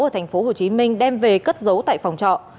ở tp hcm đem về cất giấu tại phòng trọ